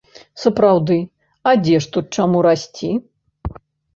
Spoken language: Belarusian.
Сапраўды, а дзе ж тут чаму расці?